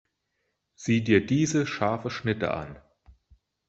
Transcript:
Sieh dir diese scharfe Schnitte an!